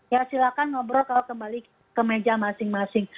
ya silahkan ngobrol kalau kembali ke meja masing masing